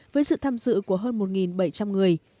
với sự tham dự của hơn một bảy trăm linh người